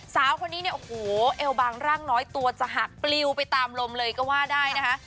สาวคนนี้เนี่ยโอ้โหเอวบางร่างน้อยตัวจะหักปลิวไปตามลมเลยก็ว่าได้นะคะ